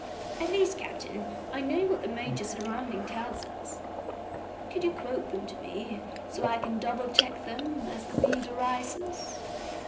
"At least, captain, I know what the major soundings tell us." "Could you quote them to me, so I can double check them as the need arises?"